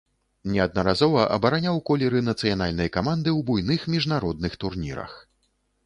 Неаднаразова абараняў колеры нацыянальнай каманды ў буйных міжнародных турнірах.